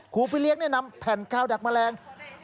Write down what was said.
คูพิเลียกแนะนำแผ่นคราวดักแมลง